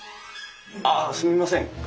ああっすみません。